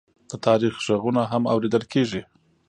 د تاریخ غږونه هم اورېدل کېږي.